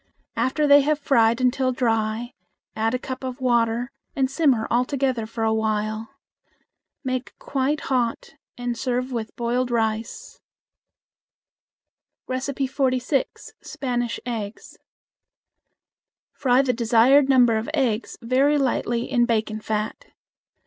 After they have fried until dry, add a cup of water and simmer all together for a while. Make quite hot and serve with boiled rice. 46. Spanish Eggs. Fry the desired number of eggs very lightly in bacon fat.